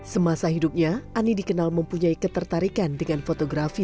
semasa hidupnya ani dikenal mempunyai ketertarikan dengan fotografi